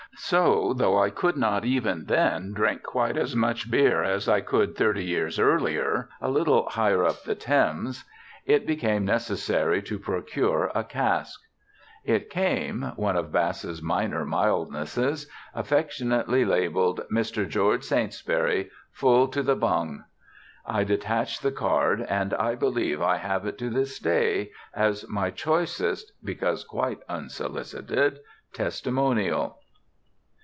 So, though I could not even then drink quite as much beer as I could thirty years earlier a little higher up the Thames, it became necessary to procure a cask. It came one of Bass's minor mildnesses affectionately labeled "Mr. George Saintsbury. Full to the bung." I detached the card, and I believe I have it to this day as my choicest (because quite unsolicited) testimonial.